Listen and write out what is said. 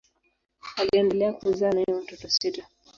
Aliendelea kuzaa naye watoto sita.